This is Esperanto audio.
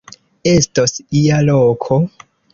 Estos ia loko.